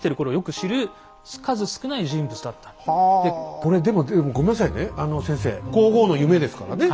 これでもごめんなさいねあの先生皇后の夢ですからね？